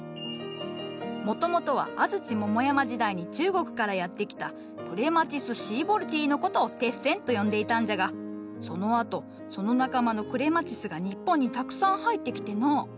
もともとは安土桃山時代に中国からやって来た「クレマチスシーボルディ」の事をテッセンと呼んでいたんじゃがそのあとその仲間の「クレマチス」が日本にたくさん入ってきてのう。